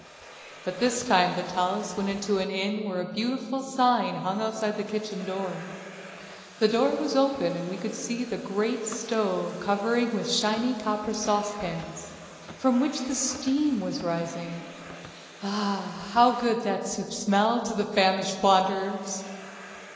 But this time Vitalis went into an inn where a beautiful sign hung outside the kitchen door. The door was open and we could see the great stove covered with shining copper saucepans, from which the steam was rising. Ah, how good that soup smelled to the famished wanderers!